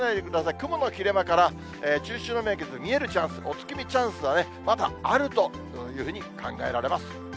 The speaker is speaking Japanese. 雲の切れ間から中秋の名月、見えるチャンス、お月見チャンスはまだあるというふうに考えられます。